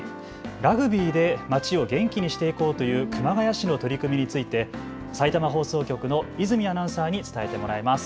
ラグビーで町を元気にしていこうという熊谷市の取り組みについてさいたま放送局の泉アナウンサーに伝えてもらいます。